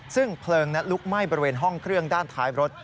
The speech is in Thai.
ซึ่งเพลิงนั้นลุกไหม้บริเวณห้องเครื่องด้านท้ายรถ